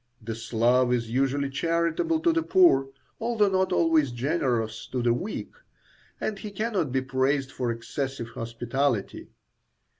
The Slav is usually charitable to the poor, although not always generous to the weak, and he cannot be praised for excessive hospitality.